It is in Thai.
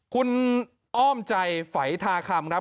คุณอ้อมใจไฝทาคำครับ